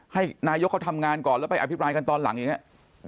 ให้นายกเขาทำงานก่อนแล้วไปอภิปรายกันตอนหลังอย่างนี้